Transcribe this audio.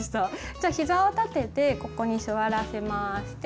じゃあひざを立ててここに座らせます。